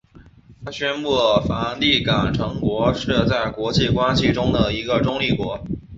它宣布梵蒂冈城国是在国际关系的一个中立国。